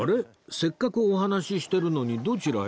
せっかくお話ししてるのにどちらへ？